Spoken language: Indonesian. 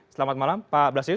selamat malam pak blasius